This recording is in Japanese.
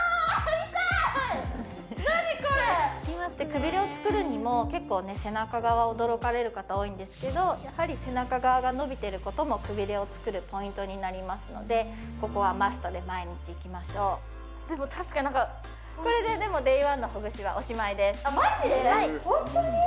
くびれを作るにも結構背中側驚かれる方多いんですけどやはり背中側がのびてることもくびれを作るポイントになりますのでここはマストで毎日いきましょうでも確かになんかこれででもＤａｙ１のほぐしはおしまいですマジで？